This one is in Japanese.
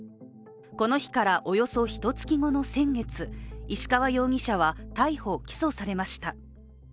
この日からおよそひと月後の先月、石川容疑者は逮捕・起訴されました。